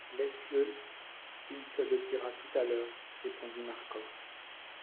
Laisse-le ! il te le dira tout à l'heure, répondit Marcof.